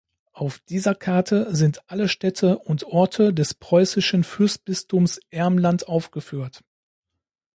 Auf dieser Karte sind alle Städte und Orte des preußischen Fürstbistums Ermland aufgeführt.